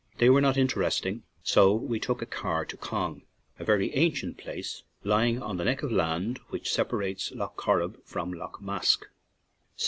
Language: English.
They were not interesting, so we took a car to Cong, a very ancient place lying on the neck of land which sepa rates Lough Corrib from Lough Mask. St.